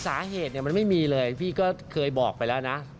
สาเหตุมันไม่มีเลยพี่ก็เคยบอกไปแล้วนะ